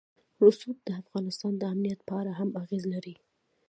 رسوب د افغانستان د امنیت په اړه هم اغېز لري.